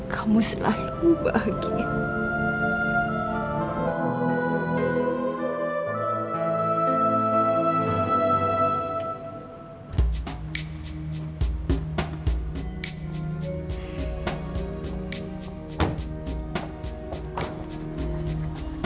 kamu selalu bahagia